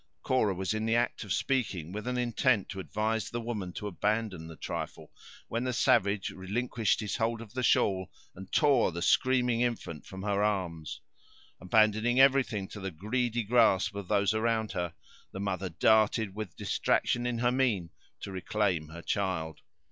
Cora was in the act of speaking, with an intent to advise the woman to abandon the trifle, when the savage relinquished his hold of the shawl, and tore the screaming infant from her arms. Abandoning everything to the greedy grasp of those around her, the mother darted, with distraction in her mien, to reclaim her child.